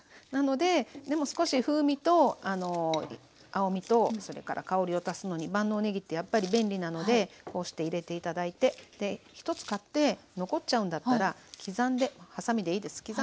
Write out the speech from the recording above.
なのででも少し風味と青みとそれから香りを足すのに万能ねぎってやっぱり便利なのでこうして入れて頂いてで１つ買って残っちゃうんだったらはさみでいいです